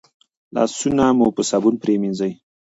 لاسونه مو په صابون پریمنځئ.